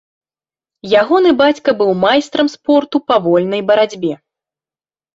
Ягоны бацька быў майстрам спорту па вольнай барацьбе.